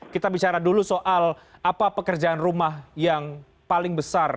kita bicara dulu soal apa pekerjaan rumah yang paling besar